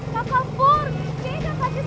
kakak pur kayaknya kakak cisna